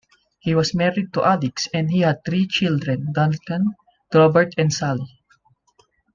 He was married to Alix and had three children Duncan, Robert and Sally.